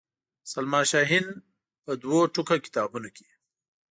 سلما شاهین په دوو ټوکه کتابونو کې.